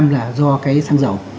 là do cái sang dầu